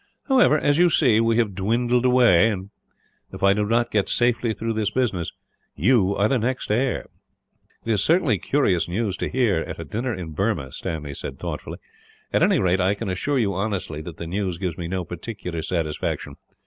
However, as you see we have dwindled away and, if I do not get safely through this business, you are the next heir." "It is curious news to hear, at a dinner in Burma," Stanley said, thoughtfully. "At any rate, I can assure you honestly that the news gives me no particular satisfaction.